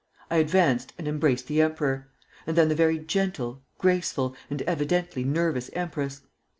I advanced and embraced the Emperor, ... and then the very gentle, graceful, and evidently nervous empress.